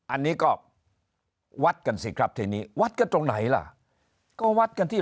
อันนี้ก็วัดกันสิครับทีนี้วัดกันตรงไหนล่ะก็วัดกันที่